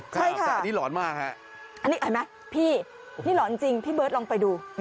ใช่อันนี้หลอนมากฮะอันนี้เห็นไหมพี่นี่หลอนจริงพี่เบิร์ดลองไปดู